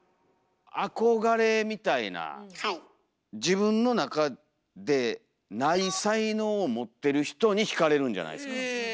自分の中でない才能を持ってる人に惹かれるんじゃないですか？